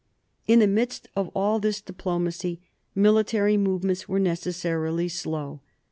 In the midst of all this diplomacy military movements were necessarily slow.